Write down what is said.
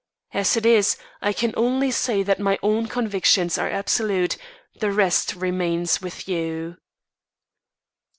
As it is, I can only say that my own convictions are absolute; the rest remains with you."